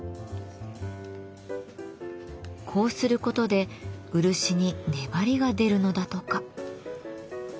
こうすることで漆に粘りが出るのだとか。